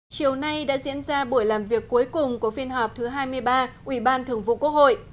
chiều nay đã diễn ra buổi làm việc cuối cùng của phiên họp thứ hai mươi ba ủy ban thường vụ quốc hội